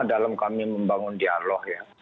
dalam kami membangun dialog